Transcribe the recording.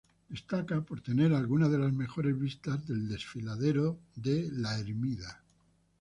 Destaca por tener algunas de las mejores vistas del desfiladero de La Hermida.